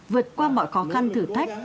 vượt qua mọi khó khăn thử thách